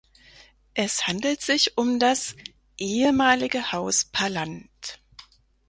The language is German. Es handelt sich um das "ehemalige Haus Pallandt".